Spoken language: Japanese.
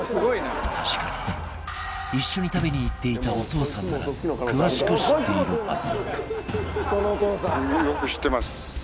確かに一緒に食べに行っていたお父さんなら詳しく知っているはず